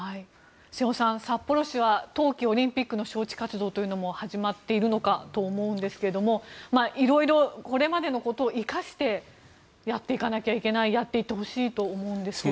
瀬尾さん、札幌市は冬季オリンピックの招致活動も始まっていると思いますがいろいろこれまでのことを生かしてやっていかなきゃいけないやっていってほしいと思うんですが。